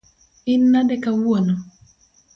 In nade kawuono?